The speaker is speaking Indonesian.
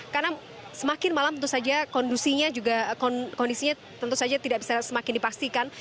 karena semakin malam tentu saja kondisinya juga tidak bisa semakin dipastikan